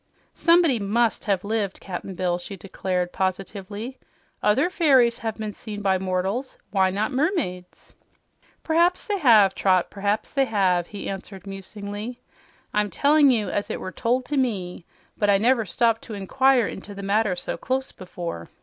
"Somebody MUST have lived, Cap'n Bill," she declared positively. "Other fairies have been seen by mortals; why not mermaids?" "P'raps they have, Trot, p'raps they have," he answered musingly. "I'm tellin' you as it was told to me, but I never stopped to inquire into the matter so close before.